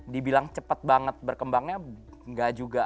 dibilang cepat banget berkembangnya enggak juga